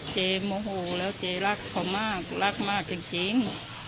โมโหแล้วเจ๊รักเขามากรักมากจริง